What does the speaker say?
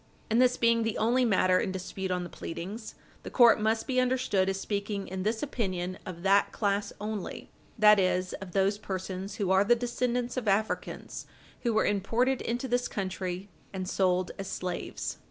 And this being the only matter in dispute on the pleadings, the court must be understood as speaking in this opinion of that class only, that is, of those persons who are the descendants of Africans who were imported into this country and sold as slaves.